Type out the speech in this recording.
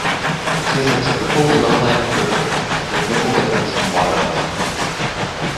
It is a typical lowland river, with little difference in the water level.